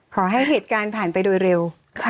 ขอให้เหตุการณ์ผ่านไปโดยเร็ว